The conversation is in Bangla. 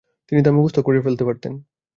তিনি তা মুখস্থ করে ফেলতে পারতেন।